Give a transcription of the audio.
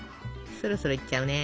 そろそろいっちゃうね。